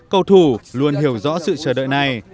cầu thủ luôn hiểu rõ sự chờ đợi này